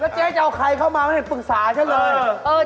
แล้วเจ๊จะเอาใครเข้ามาให้ปรึกษาเฉยเลย